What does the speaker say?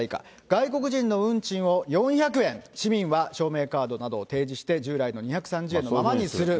外国人の運賃を４００円、市民は証明カードなどを提示して従来の２３０円のままにする。